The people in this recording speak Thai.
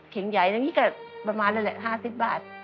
ใหญ่อย่างนี้ก็ประมาณนั้นแหละ๕๐บาท